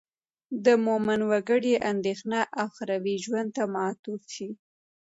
د مومن وګړي اندېښنه اخروي ژوند ته معطوف شي.